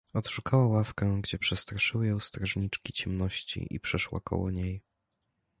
Odszukała ławkę, gdzie przestra szyły ją strażniczki ciemności, i przeszła koło niej.